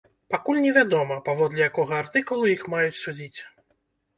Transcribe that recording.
Пакуль невядома, паводле якога артыкулу іх маюць судзіць.